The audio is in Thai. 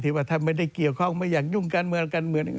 ที่ว่าท่านไม่ได้เกี่ยวข้องไม่อยากยุ่งการเมือง